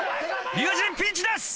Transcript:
龍心ピンチです。